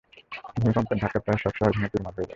ভূমিকম্পের ধাক্কায়, প্রায় সব শহর ভেঙ্গে চুরমার হয়ে যাবে।